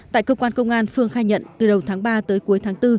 tại cơ quan công an phương khai nhận từ đầu tháng ba tới cuối tháng bốn